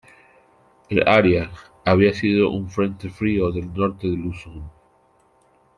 El área, había sido un frente frío del norte de Luzon.